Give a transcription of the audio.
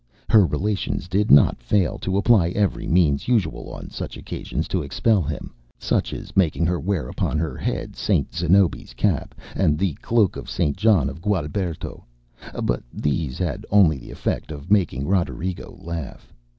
Her relations did not fail to apply every means usual on such occasions to expel him, such as making her wear upon her head St. ZanobiŌĆÖs cap, and the cloak of St. John of Gualberto; but these had only the effect of making Roderigo laugh.